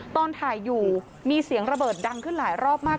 ตอนถ่ายอยู่มีเสียงระเบิดดังขึ้นหลายรอบมาก